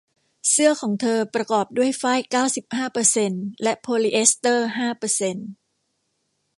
เสื้อของเธอประกอบด้วยฝ้ายเก้าสิบห้าเปอร์เซ็นต์และโพลีเอสเตอร์ห้าเปอร์เซ็นต์